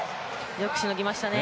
よくしのぎましたね。